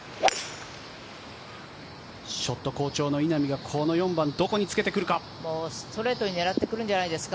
ショット好調の稲見がこの４番、どこにつけてくるか。